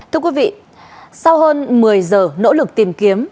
thưa quý vị sau hơn một mươi giờ nỗ lực tìm kiếm